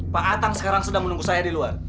pak atang sekarang sudah menunggu saya di luar